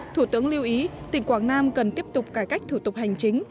thủ tướng lưu ý tỉnh quảng nam cần tiếp tục cải cách thủ tục hành chính